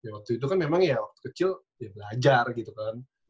waktu itu kan memang ya waktu kecil ya belajar gitu kan